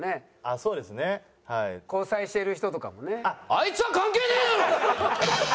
あいつは関係ねえだろ！